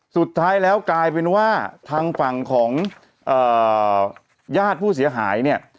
สุดท้ายแล้วกลายเป็นว่าทางฝั่งของญาติผู้เสียหายเนี่ย